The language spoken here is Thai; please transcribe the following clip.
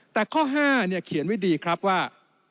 แต่ข้อ๕เขียนไว้ดีครับว่า